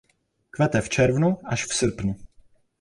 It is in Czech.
Kvete v červnu až v srpnu.